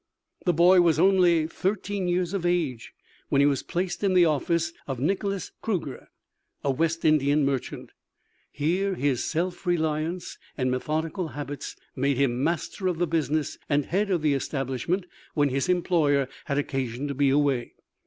The boy was only thirteen years of age when he was placed in the office of Nicholas Cruger, a West Indian merchant. Here his self reliance and methodical habits made him master of the business and head of the establishment when his employer had occasion to be away.